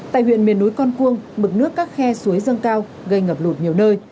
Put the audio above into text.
tại huyện miền núi con cuông mực nước các khe suối dâng cao gây ngập lụt nhiều nơi